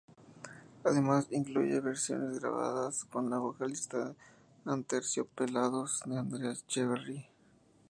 Además, incluye versiones grabadas con la vocalista de Aterciopelados Andrea Echeverri.